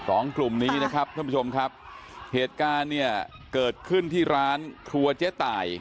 สองกลุ่มนี้นะครับท่านผู้ชมครับเหตุการณ์เนี่ยเกิดขึ้นที่ร้านครัวเจ๊ตาย